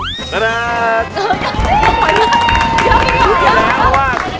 ผมรู้ได้แล้วว่า